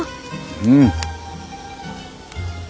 うん。